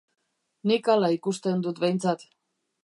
Nik hala ikusten dut behintzat.